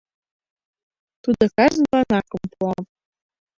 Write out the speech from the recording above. Тудо кажнылан акым пуа.